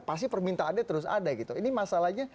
pasti permintaannya terus ada gitu ini masalahnya